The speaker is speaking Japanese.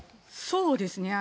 そうですね。